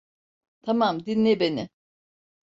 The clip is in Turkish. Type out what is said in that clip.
Tamam, dinle beni.